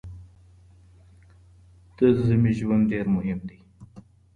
د ذمي ژوند ډېر مهم دی.